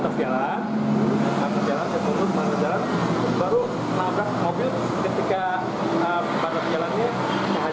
nabrak ke jalan ketemu ke jalan baru nabrak ke mobil ketika batas jalannya menghajan